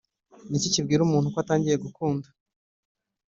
niki kibwira umuntu ko atangiye gukunda?"